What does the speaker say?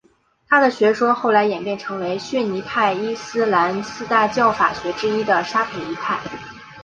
他的学说后来演变成为逊尼派伊斯兰四大教法学之一的沙斐仪派。